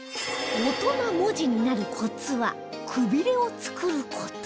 大人文字になるコツはくびれを作る事